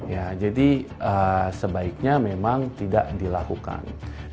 ya jadi sebaiknya memang tidak dilakukan